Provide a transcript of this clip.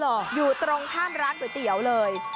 อยู่ตรงข้ามร้านก๋วยเตี๋ยวเลย